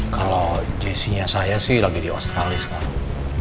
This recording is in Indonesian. kalo jessy nya saya sih lagi di australia sekarang